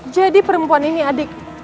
jadi perempuan ini adik